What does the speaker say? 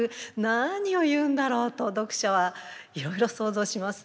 何を言うんだろう？と読者はいろいろ想像します。